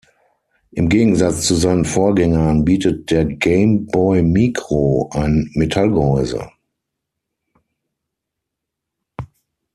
Im Gegensatz zu seinen Vorgängern bietet der Game Boy Micro ein Metallgehäuse.